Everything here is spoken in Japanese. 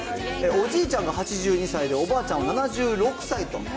おじいちゃんが８２歳で、おばあちゃんは７６歳と。